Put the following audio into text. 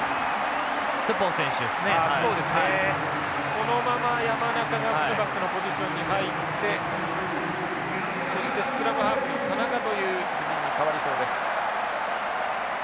そのまま山中がフルバックのポジションに入ってそしてスクラムハーフに田中という布陣に変わりそうです。